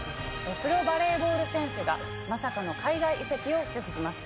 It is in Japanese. プロバレーボール選手がまさかの海外移籍を拒否します。